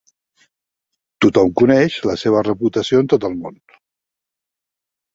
Tothom coneix la seva reputació en tot el món.